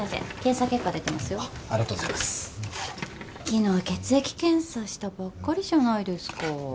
昨日血液検査したばっかりじゃないですか。